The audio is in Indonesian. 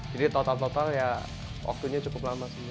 jadi total total ya waktunya cukup lama sebenernya